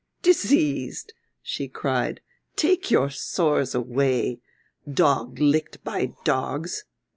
"Diseased," she cried, "take your sores away! Dog licked by dogs.